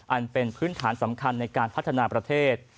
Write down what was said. อันเป็นพื้นฐานสำคัญในการพัฒนาประเทศ